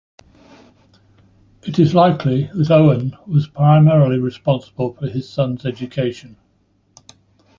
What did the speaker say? It is likely that Eoghan was primarily responsible for his son's education.